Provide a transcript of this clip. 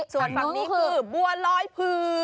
ส่วนฝั่งนี้คือบัวร้อยเพื้อง